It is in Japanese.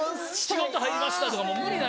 仕事入りましたとか。